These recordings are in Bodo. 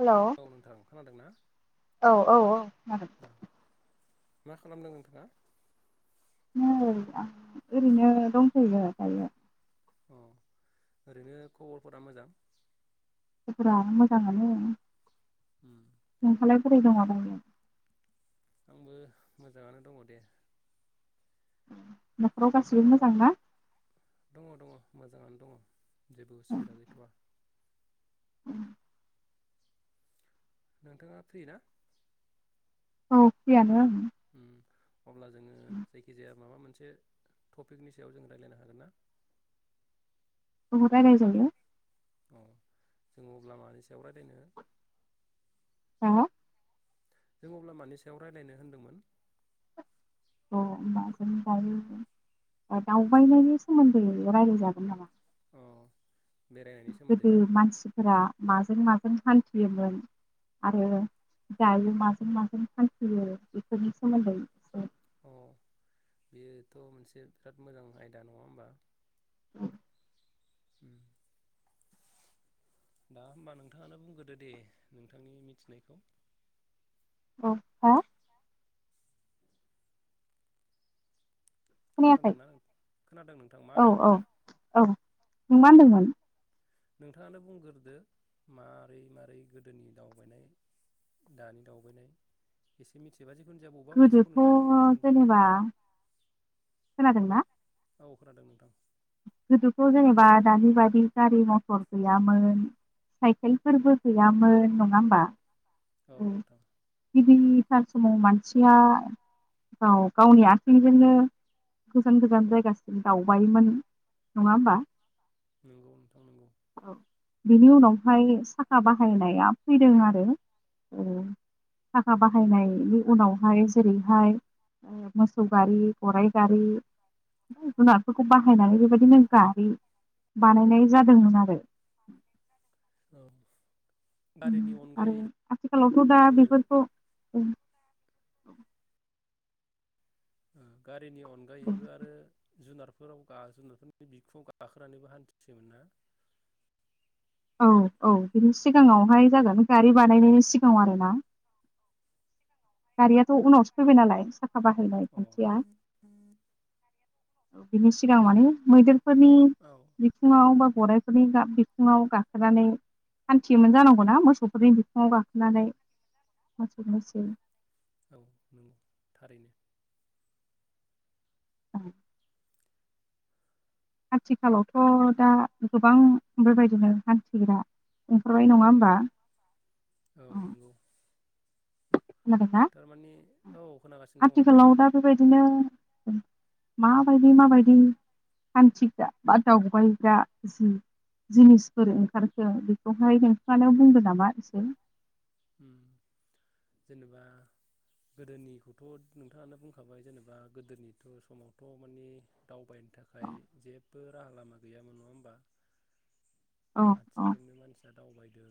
हेल' औ नोंथां खोनादोंना औ औ औ औ मा खालामदों नोंथाङा नोंथां आं ओरैनो दंथ'यो दायो अ ओरैनो खबरफोरा मोजां खबरफोरा मोजां मोनो उम नोंहालाय [unintelligible] आंबो मोजाङानो दङ' दे न'खराव गाससिबो नोंथाङा मोजांना दङ दङ मोजाङानो दङ जेबो उ सुबिदा गैथ'आ नोंथाङा फ्रि ना औ फ्रिआनो [inaudible] अब्ला जोङो जायखिजाया मा मोनसे टपिकनि सायाव जों रायलायनो हागोन ना औ रायलाय जायो अ जोङ अब्ला मानि सायाव रायलायनो हा जों अब्ला मानि सायाव रायलायनो होनदोंमोन औ [unintelligible] जों जायो दावबायनायनि सोमोन्दै रायलायजागोन नामा अ बेरायनायनि सोमोन्दै गोदो ना मानसिफोरा माजों माजों हान्थियोमोन आरो दायो माजों माजों हान्थियो बेफोरनि सोमोन्दै एसे अ बेयोथ' मोनसे बिराद मोजां आयदा नङा होमबा औ [unintelligible] उ [unintelligible] दा होमबा नोंथाङानो बुंग्रोदो दे नोंथांनि मिथिनायखौ अ हा खोनायाखै खोनादोंना खोनादों नोंथां मा औ होनदों औ औ नों मा होनदोंमोन नोंथाङानो बुंग्रोदो मारै मारै गोदोनि दावबायनाय दानि दावबायनाय एसे मिथि जिकुनु जाया बबेबा मोनसेखौ गोदोथ' नोंथाङा बुंगोरबानो जाबाय जेनेबा खोनादोंना औ खोनादों नोंथां गोदोथ' जेनेबा दानि बादि गारि मथर गैयामोन साइकेलफोरबो गैयामोन नङा होमबा औ नोंथां सान समाव मानसिया गाव गावनि आथिंजोंनो गोजान गोजान जायगासिम दावबायोमोन नङा होमबा नंगौ नोंथां नंगौ बिनि उनाव बेहाय साखा बाहायनाया फैदों आरो साखा बाहायनायनि उनावहाय जेरैहाय मोसौ गारि गराइ गारि जुनार खौ औ बाहायनानै बेबायदिनो गारि बानायनाय जादोंमोन आरो औ गारिनि आरो अनगायैबो आथिखालावथ' दा बेफोरखौ औ ओ गा रिनि अनगायैबो आरो जुनारफोराव गा जुनारफोरनि बिखुङाव गाखोनानैबो हान्थियोमोन ना औ औ बिनि सिगाङावहाय जागोन गारि बानायनायनि सिगाङाव आरोना गारियाथ' उनावसो फैबाय नालाय हाबाहैनाय अ खान्थिया बिनि सिगां माने मैदेर फोरनि औ बिथिङाव बा गराइफोरनि बिखुङाव गाखोनानै हान्थियोमोन जानांगौना मोसौफोरनि बिखुङाव गाखोनानै मोसौ मैसो औ नोंगौ थारैनो औ आथिखालावथ' दा गोबां बेबायदिनो हान्थिग्रा ओंखारबाय नङा होमबा औ नोंगौ खोनादों ना? औ खोनागासिनो दङ नोंथां आथिखालाव दा बेबायदिनो माबायदि माबायदि हान्थिग्रा बा दावबायग्रा जि- जिनिसफोर ओंखारखो बेखौहाय नोंथाङानो बुंदो नामा एसे ओम जेनेबा गोदोनिखौथ' नोंथाङानो बुंखाबाय जेनेबा गोदोनिथ' समावथ' माने दावबायनो थाखाय औ जेबो राहा लामा गैयामोन नङा होमबा औ औ आथिंजोंनो मानसिया दावबाय ओ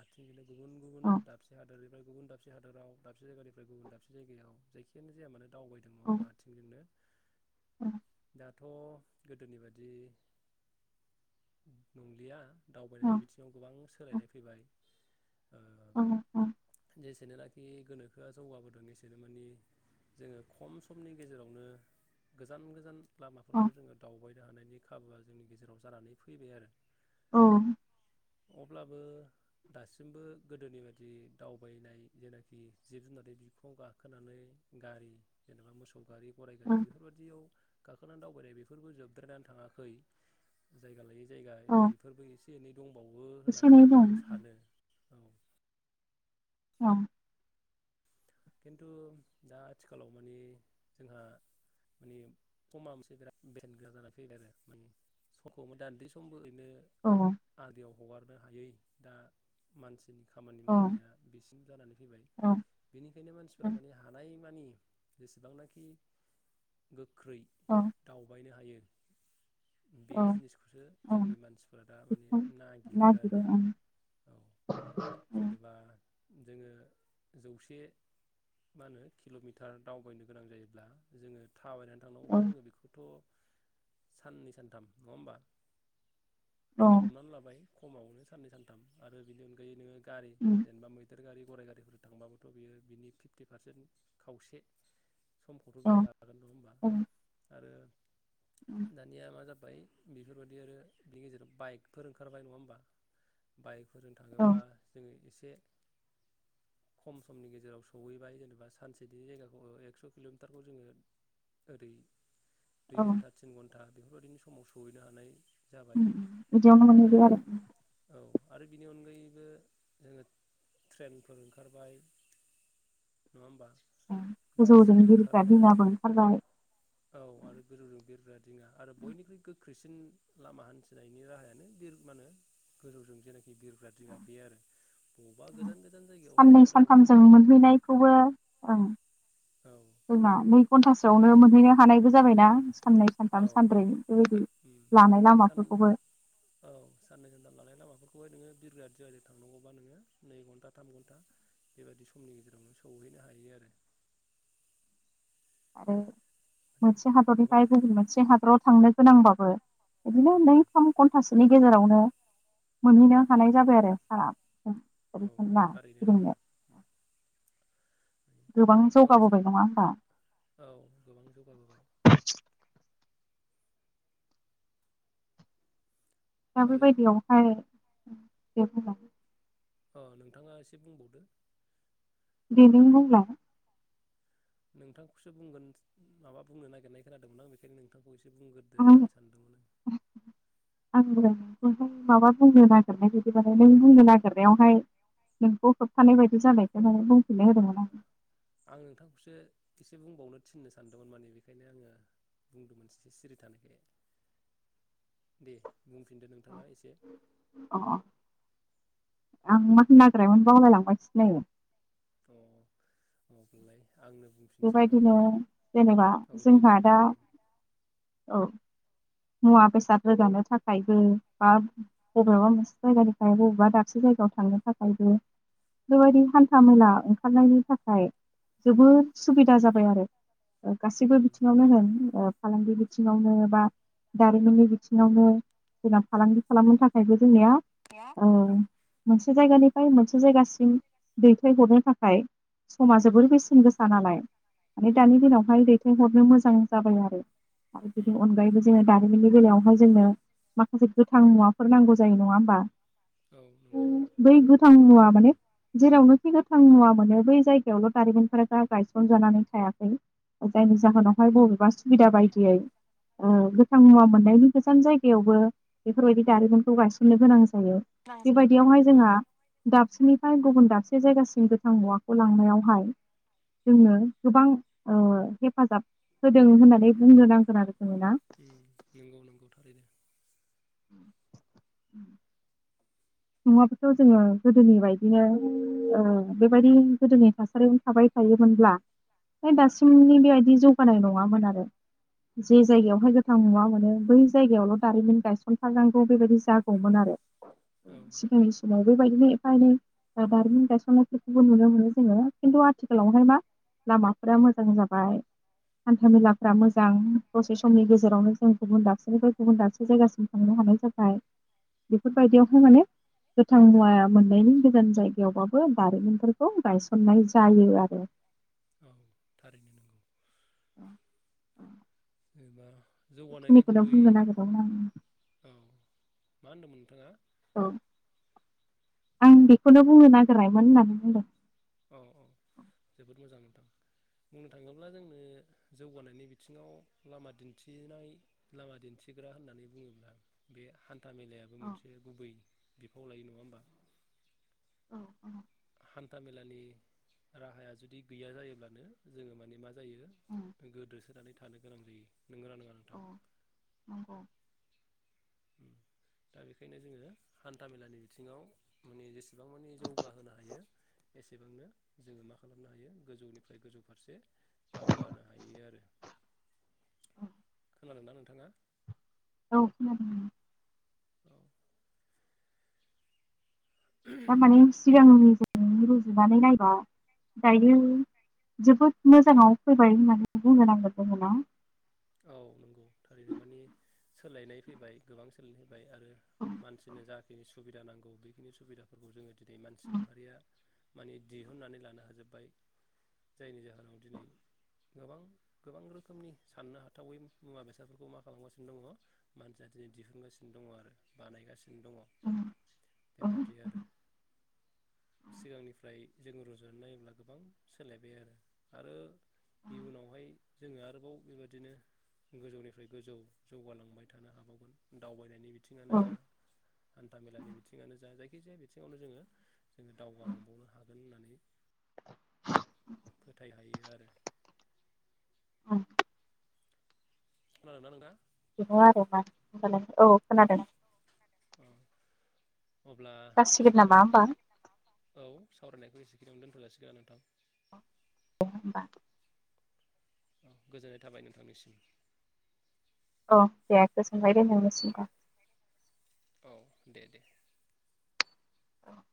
आथिंजोंनो गुबुन गुबुन औ दाबसे हादोरनिफ्राय गुबुन दाबसे हादराव दाबसे जायगानिफ्राय गुबुन दाबसे जायगायाव जायखियानो जाया मानो औ दावबायदोंमोन आथिंजोंनो औ दाथ' गोदोनि बादि नंलिया औ दावबायनायनि बिथिङाव गोबां सोलायनाय फैबाय अ एसेनोनाखि गोनोखोआ जौगाबोदों एसेनो माने जोङो खम समनि गेजेरावनो गोजान गोजान लामाफोरखौ जोङो दावबाय फानो हानायनि खाबुआ जोंनि गेजेराव जानानै फैबाय आरो औ अब्लाबो दासिमबो गोदोनि बायदि बि दावबायनाय जेनाखि जिब जुनारनि बिखुङाव गाखोनानै गारि जेनेबा मोसौ गारि गरायगारि औ बेफोरबायदियाव गाखोनानै दावबायनाय बेफोरबो जोबद्रायनानै थाङाखै जायगा लायै जायगा औ बेफोरबो एसे एनै दंबावो एसे होननानै एनै आं दं सानो [unintelligible] औ खिन्थु दा आथिखालाव माने जोंहा माने समा मोनसे बिराद बेसेन गोसा जानानै फैबाय आरो माने समखौ [unintelligible] समबो बिदिनो औ आद्रियाव हगार नो हायै दा मानसिनि खामानि औ मावनाया बेसिम जानानै फैबाय औ बेनिखायनो मानसिफोरा माने हानाय मानि जेसेबांनाखि गो गोख्रै औ दावबायनो हायो बे औ जिनिसखौसो औ जोंनि मानसिफोरा दा माने बेखौ नागिरो आरो औ जेनेबा जोङो जौसे बे मा होनो किल'मिटार दावबायनो गोनां जायोब्ला जोङो थाबायनानै औ औ थांनांगौबा जोङो बेखौथ' साननै सानथाम नङा होमबा औ हमनानै लाबाय खमावनो साननै सानथाम आरो बिनि अनगायै नोङो गारि उम जेनेबा मै रेल गारि गराइ गारिफोर थांबाबो थ' बियो बिनि फिफ्टि पारसेन्ट खावसे समखौथ' औ बे लागोनल' होनोमबा उम आरो दानिया मा जाख ओमफ्राय बेफोरबायदि आरो बिनि गेजेराव बाइकफोर ओंखारबाय नङा होमबा बाइक फोरजों औ थाङोब्ला जोङो एसे से खम समनि गेजेराव सहैबाय जेनेबा सानसेनि जायगाखौ एक्स' किल'मिटारखौ जोङो ओरै दुइ उम घन्टा थिन घन्टा बेफोरबायदिनो समाव सहैनो हानाय जाबाय ओम ओम बिदियावनोनो मोनहैबाय आरो ओम औ आरो बिनि अनगायैबो जोङो ट्रेनफोर ओंखारबाय नङा होमबा गोजौ बासफोर लिंगिरिफ्रा ओंखारबाय दिङाबो ओंखारबाय औ आरो गोजौजों बिरग्रा दिङा आरो बयनिख्रुइ गो ख्रैसिन लामा हान्थिनायनि राहायानो बिर मा होनो गोजौजों जेना बिरग्रा दिङा बे आरो बबावबा गोजान गोजान साननै जायगायावहाय सानथामजों दावबायहैनांगौ मोनहैनायखौबो औ औ जा [unintelligible] घन्टासेआवनो मोनहैनो हानायबो जाबायना साननै औ सानथाम सानब्रै बेबायदि उम लानाय सान लामाफोरखौबो बेखौहाय नोङो बिरगाआलि थांनांगौबा नोङो नै घन्टा थाम घन्टा बेबायदि समनि गेजेराव सौहैनो हायो आरो औ माने मोनसे गोबां हादरनिफ्राय गुबन मोनसे हादराव थांनो गोनांबाबो इदिनो उम नै थाम घन्टासो बिनि गेजेरावनो मोनहैनो हानाय जाबाय आरो सारा औ थारैनो नंगौ बिदिनो [unintelligible] गोबां नङा होमबा औ गोबां जौगाबोबाय दा आरो बेबायदियावहाय बेखौ अ नोंथाङा एसे बुंबावदो दि नों बुंला नोंथांखौसो बुंगोन माबा बुंनो नागिरनाय खोनादोंमोन आं बेखायनो नोंथांखौ एसे एसे बुंग्रोदो आं होननानै सानदोंमोन आं बेहाय माबा बुंनो नागिरनाय बायदिबाने नों बुंनो आं नागिरनायावहाय नोंखौ होबथानाय बायदि जानायखाय माने नों बुं आं नोंथांखौसो एसे बुंबावनो थिननो सानदोंमोन माने बेखायनो आङो बुंदोंमोन ए सिरि थानायखाय दे बुंफिनदो आं नोंथाङा एसे अ आं मा होनोनायग्रायमोन बावलायलांबाय सिलै [unintelligible] बुंफिनसै नङा बेबायदिनो होमबा जेनेबा औ दे जोंहा बुंदो दा दे औ मुवा बेसाद रोगानो थाखायबो बा बबेबा मोनसे जायगानिफ्राय बबेबा दाबसे जायगायाव थांनो थाखायबो बेबायदि हान्था औ मेला ओंखारनायनि थाखाय जोबोद सुबिदा जाबाय आरो गासैबो उम बिथिङावनो होन फालांगि बिथिङावनो बा दारिमिननि बिथिङावनो जोंना फालांगि खालामनो थाखायबो जोंनिया अ मोनसे जायगानि मोनसे जायगासिम दैथायहरनो थाखाय समास जोबोर बेसेन गोसा नालाय माने औ दानि दिनावहाय दैथायहरनो मोजां जाबाय आरो आरो उम बिनि अनगायैबो जोङो जारिमिननि बेलायावहाय जोंनो माखासे गोथां मुवाफोर नांगौ जायो नङा होमबा औ नंगौ बै गोथां मुवा माने जेरावनोखि गोथां मुवा मोनो बै जायगायावल' दारिमिनफोरा दा गायसनजानानै थायाखै जायनि जाहोनावहाय बबेबा सुबिदा उम बायदियै ओ बेख मुवा मोननायनि गोजान जायगायावबो बेफोरबायदि दारिमिनखौ गायसननो गोनां जायो बेबायदियावहाय औ जोंहा दाबसेनिफ्राय गुबुन दाबसे जायगासिम गोथां मुवाखौ लांनायावहाय जोंनो गोबां ओ हेफाजाब होदों होननानै बुंनो नांगोन आरो जोङो ना ओम नंगौ नंगौ थारैनो उम उम मुवाफोरखौ जोङो गोदोनि बायदिनो ओ बेबायदि गोदोनि थासारियावनो थाबाय थायोमोनब्ला दासिमनि बेबायदि जौगानाय नङामोन आरो उम जे जायगायावहाय गोथां नुवा मोनो बै जायगायावल' दारिमिन गायसनथारनांगौ बेबायदि जागौमोन आरो औ सिगांनि समाव बेबायदिनो एफा एनै दारिमिन गायसननायफोरखौबो नुनो मोनो जोङो खिन्थु आथिखालावहाय मा लामाफोरा मोजां जाबाय हान्था मेलाफोरा मोजां दसे समनि गेजेरावनो जों गुबुन दाबसेनिफ्राय गुबुन दाबसे जायगासिम थांनो हानाय जाबाय बेफोरबायदियाव माने गोथां मुवा मोननायनि गोजान जायगायावबाबो दारिमिनफोरखौ गायसननाय जायो आरो औ थारैनो नोंगौ अ अ एबा बेखिनिखौनो बुंगोन नागिरदोंमोन आं औ मा होनदोंमोन नोंथाङा? औ आं बेखौनो बुंनो नागिरनायमोन होननानै बुंदों औ औ जोबोद मोजां बुंनो थाङोब्ला जोंनो जौगानायनि बिथिङाव लामा दिन्थिनाय लामा दिन्थिग्रा होननानै बुङोब्ला बे हान्था मेलायाबो औ मोनसे गुबै बिफाव लायो नङा होमबा औ हान्था मेलानि राहाया जुदि गैया जायोब्लानो जोङो माने मा जायो औ गोदोसोनानै थानो गोनां जायो नोंगोना नोङा औ नोंथां नंगौ दा बेखायनो जोङो हान्थामेलानि बिथिङाव माने जेसेबां मानि जौगाहोनो हायो एसेबांनो जोङो मा खालामनो हायो गोजौनिफ्राय गोजौ फारसे दावगानो हायो आरो खोनादोंना नोंथाङा? औ खोनादों [unintelligible] थारमाने सिगांनि जों रुजुनानै नायबा दायो जोबोद मोजाङाव फैबाय होननानै बुंनो नांगिरदोंमोना औ नंगौ थारैनो माने बाय आरो मानसिनो जाखिनि सुबिदा नांगौ बेखिनि सुबिदाफोरखौ जोङो दिनै मानसि माहारिया माने दिहुनन्नानै लानो हाजोब्बाय जायनि जाहोनाव दिनै गोबां गोबां रोखोमनि साननो हा थावै मुवा बेसादफोरखौ मा खालामगासिनो दङ मानसिया दिनै दिहुनगासिनो दङ आरो बानायगासिन दङ बेबादि आरो सिगांनिफ्राय जोङो रुजुनानै नायोब्ला गोबां सोलायबाय आरो आरो इयुनावहाय जोङो आरोबाव बेबायदिनो गोजौनिफ्राय गोजौ जौगा लांबाय थानो हाबावगोन दावबायनायनि बिथिं आनो जा हान्था मेलानि बिथिंआनो जा जाय खि जाया बिथिङावनो जोङो जों गोन होन्नानै फोथायहायो आरो औ खोनादों ना नोंथाङा बेनो आरो ना होनबालाय औ खोनादों अ अब्ला जासिगोन नामा सावरायनायखौ होमबा [inaudible] औ सावरायनायखौ एसे यावनो दोनथ'लासिगोन नोंथां दे होमबा औ गोजोननाय थाबाय नोंथांनिसिम औ दे गोजोनबाय दे नोंनिसिमबो औ दे दे औ